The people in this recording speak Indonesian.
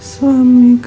suami kamu gak ikut